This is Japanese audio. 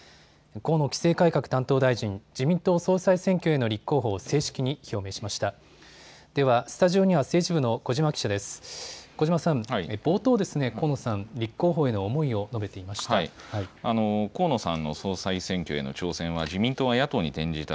河野規制改革担当大臣自民党総裁選挙への立候補を正式に表明しました。